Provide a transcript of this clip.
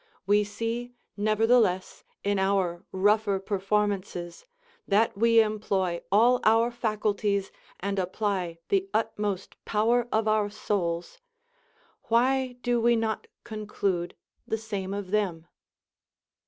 We see, nevertheless, in our rougher performances, that we employ all our faculties, and apply the utmost power of our souls; why do we not conclude the same of them?